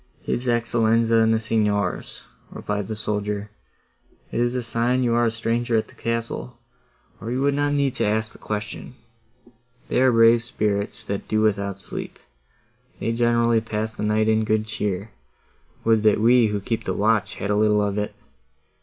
"His Excellenza and the Signors," replied the soldier: "it is a sign you are a stranger at the castle, or you would not need to ask the question. They are brave spirits, that do without sleep—they generally pass the night in good cheer; would that we, who keep the watch, had a little of it!